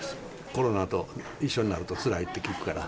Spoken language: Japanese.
コロナと一緒になるとつらいって聞くから。